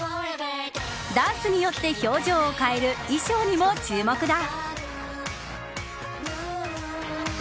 ダンスによって表情を変える衣装にも注目だ。